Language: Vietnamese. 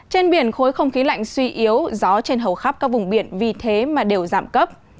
trên biển khối không khí lạnh suy yếu gió trên hầu khắp các vùng biển vì thế mà đều giảm cấp